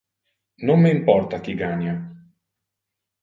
Non me importa qui gania.